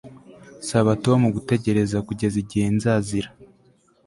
Saba Tom gutegereza kugeza igihe nzazira